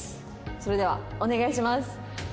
それではお願いします。